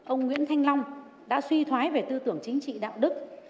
ông nguyễn thanh long đã suy thoái về tư tưởng chính trị đạo đức